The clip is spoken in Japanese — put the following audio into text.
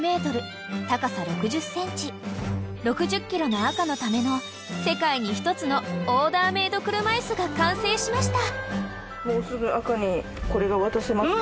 ［６０ｋｇの赤のための世界に１つのオーダーメード車椅子が完成しました］